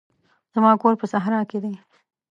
زما کور په صحرا کښي دی.